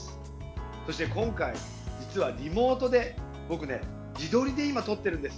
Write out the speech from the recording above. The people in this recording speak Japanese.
そして今回、実はリモートで僕ね自撮りで今、撮ってるんです。